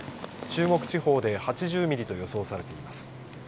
中国地方で８０ミリと予想されています。